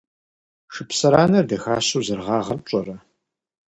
Шыпсыранэр дахащэу зэрыгъагъэр пщӀэрэ?